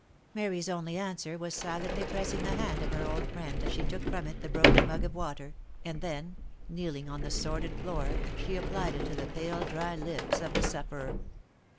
Mary's only answer was silently pressing the hand of her old friend as she took from it the broken mug of water, and then, kneeling on the sordid floor, she applied it to the pale dry lips of the sufferer.